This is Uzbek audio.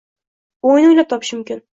O‘yin o‘ylab topish mumkin.